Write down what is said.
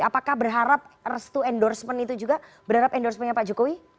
apakah berharap restu endorsement itu juga berharap endorsementnya pak jokowi